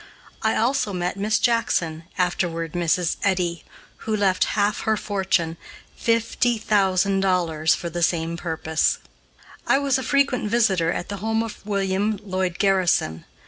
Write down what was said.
I also met Miss Jackson, afterward Mrs. Eddy, who left half her fortune, fifty thousand dollars, for the same purpose. I was a frequent visitor at the home of William Lloyd Garrison.